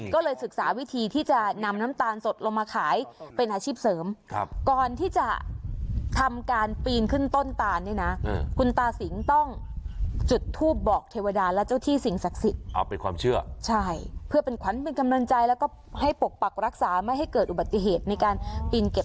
ก็เลยศึกษาวิธีที่จะนำน้ำตาลสดลงมาขายเป็นอาชีพเสริมก่อนที่จะทำการปีนขึ้นต้นตานนี่นะคุณตาสิงต้องจุดทูปบอกเทวดาและเจ้าที่สิ่งศักดิ์สิทธิ์เอาเป็นความเชื่อใช่เพื่อเป็นขวัญเป็นกำลังใจแล้วก็ให้ปกปักรักษาไม่ให้เกิดอุบัติเหตุในการปีนเก็บ